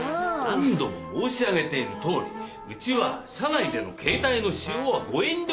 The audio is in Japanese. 何度も申し上げているとおりうちは車内での携帯の使用はご遠慮いただいているんです。